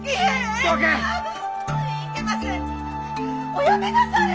おやめなされ！